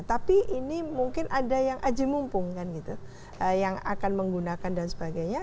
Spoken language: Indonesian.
tapi ini mungkin ada yang aji mumpung kan gitu yang akan menggunakan dan sebagainya